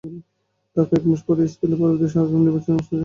তার কয়েক মাস পরই স্পেনের পরবর্তী সাধারণ নির্বাচন অনুষ্ঠিত হওয়ার কথা।